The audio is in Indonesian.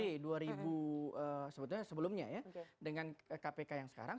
di dua ribu sebetulnya sebelumnya ya dengan kpk yang sekarang